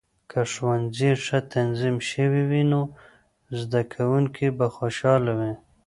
که ښوونځي ښه تنظیم شوي وي، نو زده کونکې به خوشاله وي.